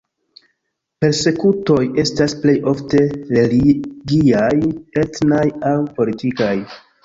Persekutoj estas plej ofte religiaj, etnaj aŭ politikaj.